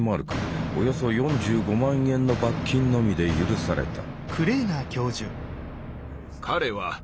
およそ４５万円の罰金のみで許された。